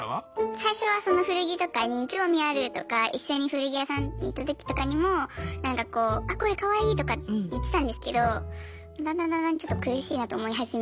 最初はその古着とかに興味あるとか一緒に古着屋さんに行った時とかにもなんかこうあっこれカワイイとか言ってたんですけどだんだんだんだんちょっと苦しいなと思い始め。